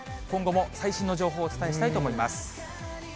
今後も最新の情報をお伝えしたいと思います。